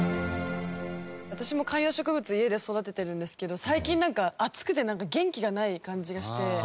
私も観葉植物家で育ててるんですけど最近暑くてなんか元気がない感じがして。